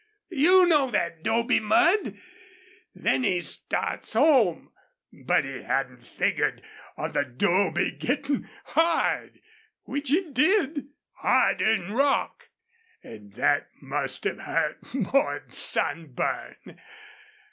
You know that 'dobe mud! Then he starts home. But he hadn't figgered on the 'dobe gettin' hard, which it did harder 'n rock. An' thet must have hurt more 'n sunburn.